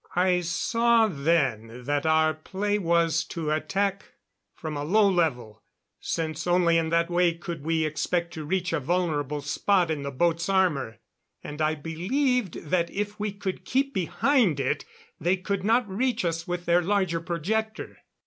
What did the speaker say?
I saw then that our play was to attack from a low level, since only in that way could we expect to reach a vulnerable spot in the boat's armor. And I believed that if we could keep behind it they could not reach us with their larger projector.